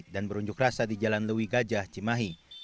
dan berunjuk rasa di jalan lewi gajah cimahi